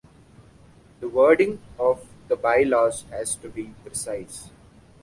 The wording of the bylaws has to be precise.